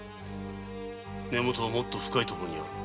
根はもっと深いところにある。